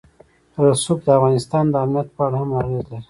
رسوب د افغانستان د امنیت په اړه هم اغېز لري.